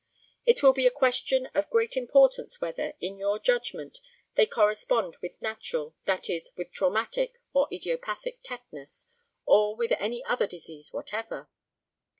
It will be a question of great importance whether, in your judgment, they correspond with natural, that is, with traumatic or idiopathic tetanus, or with any other disease whatever.